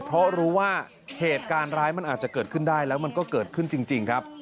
เพราะรู้ว่าเหตุการณ์ร้ายมันอาจจะเกิดขึ้นได้แล้วมันก็เกิดขึ้นจริงครับ